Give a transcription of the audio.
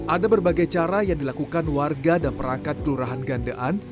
ada berbagai cara yang dilakukan warga dan perangkat kelurahan gandean